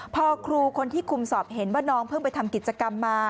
พอครูคนที่คุมสอบเห็นว่าน้องเพิ่งไปทำกิจกรรมมา